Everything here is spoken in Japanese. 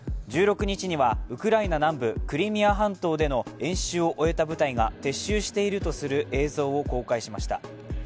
１６日にはウクライナ南部クリミア半島での演習を終えた部隊が撤収しているとする映像を公開しました。